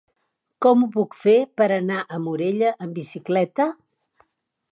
Com ho puc fer per anar a Morella amb bicicleta?